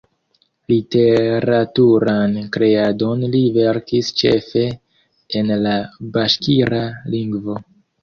Literaturan kreadon li verkis ĉefe en la baŝkira lingvo.